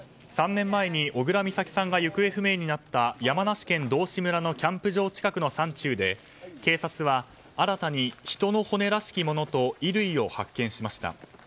３年前に小倉美咲さんが行方不明になった山梨県道志村のキャンプ場近くの山中で警察は新たに人の骨らしきものと衣類を発見しました。